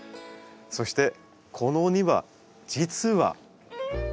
そしてこのお庭実は。